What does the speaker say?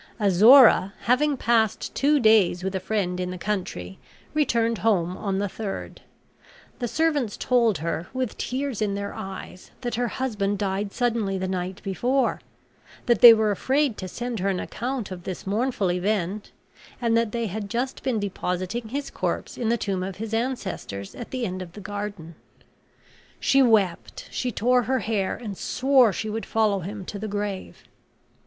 Azora, having passed two days with a friend in the country, returned home on the third. The servants told her, with tears in their eyes, that her husband died suddenly the night before; that they were afraid to send her an account of this mournful event; and that they had just been depositing his corpse in the tomb of his ancestors, at the end of the garden. She wept, she tore her hair, and swore she would follow him to the grave.